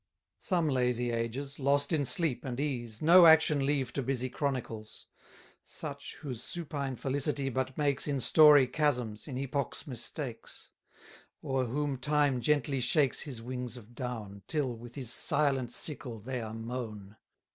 Some lazy ages, lost in sleep and ease, No action leave to busy chronicles: Such, whose supine felicity but makes In story chasms, in epoch's mistakes; O'er whom Time gently shakes his wings of down, Till, with his silent sickle, they are mown.